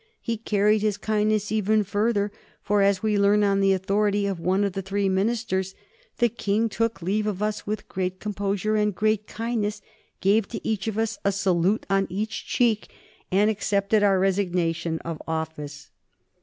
He carried his kindness even further, for, as we learn on the authority of one of the three ministers, "the King took leave of us with great composure and great kindness, gave to each of us a salute on each cheek, and accepted our resignation of office."